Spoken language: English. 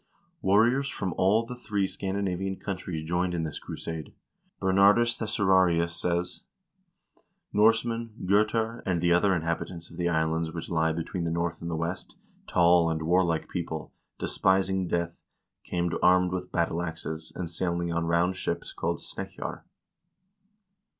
Warriors from all the three Scandinavian countries joined in this crusade; Ber nardus Thesaurarius says :" Norsemen, Gotar, and the other inhab itants of the islands which lie between the North and the West, tall and warlike people, despising death, came armed with battle axes, and sailing on round ships called snekkjar."